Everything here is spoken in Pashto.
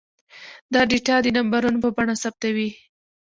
دا ډاټا د نمبرونو په بڼه ثبتوي.